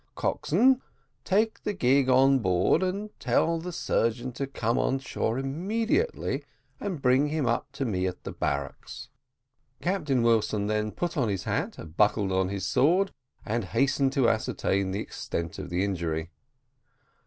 Coxswain, take the gig on board and tell the surgeon to come on shore immediately, and bring him up to me at the barracks." Captain Wilson then put on his hat, buckled on his sword, and hastened to ascertain the extent of the injury.